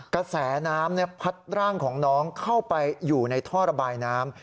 กระแสน้ำพัดร่างของน้องเข้าไปอยู่ในท่อระบายน้ำ